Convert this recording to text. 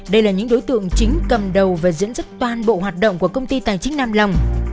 đây là những đối tượng chính cầm đầu và diễn dức toàn bộ hoạt động của công ty tài chính nam lòng